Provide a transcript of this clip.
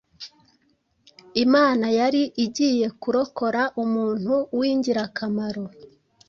Imana yari igiye kurokora umuntu w’ingirakamaro